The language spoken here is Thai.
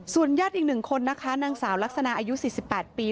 ญาติอีก๑คนนะคะนางสาวลักษณะอายุ๔๘ปี